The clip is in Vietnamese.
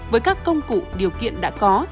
với các công cụ điều kiện đã có